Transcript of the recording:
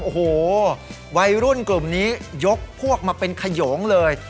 โอ้โหวัยรุ่นกลุ่มนี้ยกพวกมาเป็นขยงเลย